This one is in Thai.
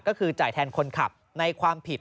ก็คือจ่ายแทนคนขับในความผิด